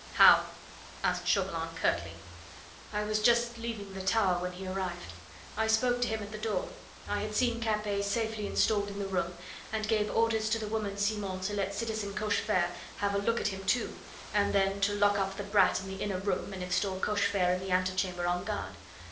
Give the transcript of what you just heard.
"How?" asked Chauvelin curtly. "I was just leaving the Tower when he arrived. I spoke to him at the door. I had seen Capet safely installed in the room, and gave orders to the woman Simon to let citizen Cochefer have a look at him, too, and then to lock up the brat in the inner room and install Cochefer in the antechamber on guard.